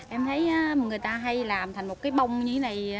em thấy người ta hay làm thành một cái bông như thế này